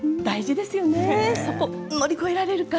そこ乗り越えられるか。